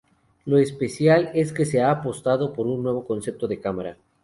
Lo especial es que se ha apostado por un nuevo concepto de cámara.